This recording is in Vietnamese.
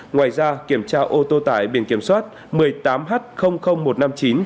ngoài ra kiểm tra ô tô tải biển kiểm soát một mươi tám h một trăm năm mươi chín